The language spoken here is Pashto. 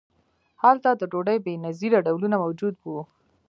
هلته د ډوډۍ بې نظیره ډولونه موجود وو.